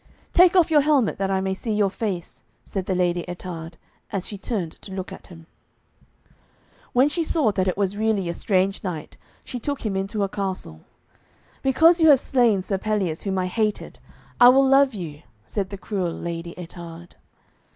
'Take off your helmet that I may see your face,' said the Lady Ettarde, as she turned to look at him. When she saw that it was really a strange knight, she took him into her castle. 'Because you have slain Sir Pelleas, whom I hated, I will love you,' said the cruel Lady Ettarde.